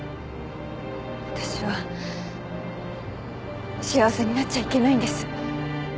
私は幸せになっちゃいけないんです。